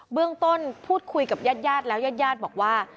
เรื่องต้นพูดคุยกับญาติญาติแล้วยาดบอกว่า